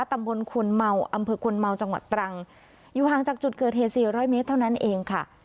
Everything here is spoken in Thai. ตำบลคนเมาอำเภอคนเมาจังหวัดตรังอยู่ห่างจากจุดเกิดเหตุสี่ร้อยเมตรเท่านั้นเองค่ะ